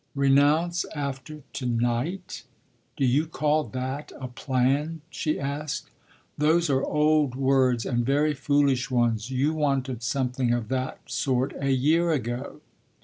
"Renounce after to night? Do you call that a plan?" she asked. "Those are old words and very foolish ones you wanted something of that sort a year ago."